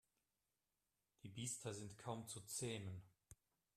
Die Biester sind kaum zu zähmen.